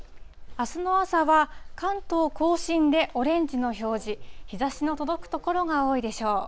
あすの朝は関東甲信でオレンジの表示、日ざしの届く所が多いでしょう。